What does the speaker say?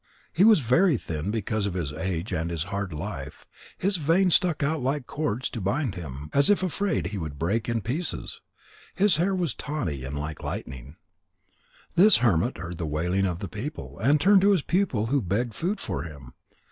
He was very thin because of his age and his hard life. His veins stuck out like cords to bind him, as if afraid that he would break in pieces. His hair was tawny like the lightning. This hermit heard the wailing of the people, and turned to his pupil who begged food for him.